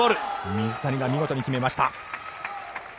水谷が見事に決めました。